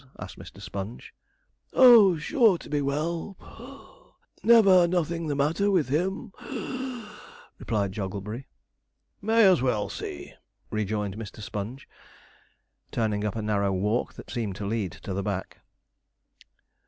asked Mr. Sponge. 'Oh, sure to be well (puff); never nothing the matter with him (wheeze),' replied Jogglebury. 'May as well see,' rejoined Mr. Sponge, turning up a narrow walk that seemed to lead to the back.